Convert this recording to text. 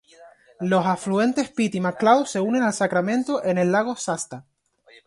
Los afluentes Pit y McCloud se unen al Sacramento en el lago Shasta.